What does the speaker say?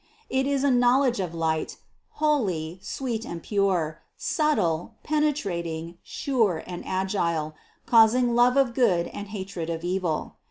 It is a knowledge of light, holy, sweet and pure, subtle, pene trating, sure and agile, causing love of good and hatred of evil.